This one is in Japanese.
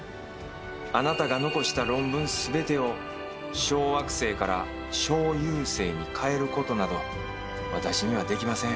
あなたが残した論文全てを「小惑星」から「小遊星」に変えることなど私にはできません。